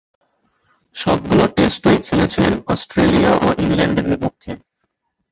সবগুলো টেস্টই খেলেছেন অস্ট্রেলিয়া ও ইংল্যান্ডের বিপক্ষে।